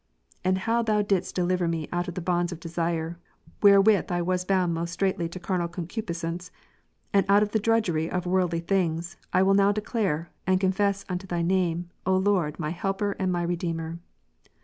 And how Thou didst deliver me out of the bonds of desire, wherewith I was bound most straitly to carnal concupiscence, and out of the drudgery of Avorldly Ps, 19, things, I will now declare, and confess unto Thy name, Lord, my helper and my redeemer.